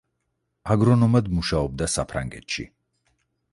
აგრონომად მუშაობდა საფრანგეთში.